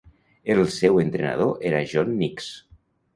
El seu entrenador era John Nicks.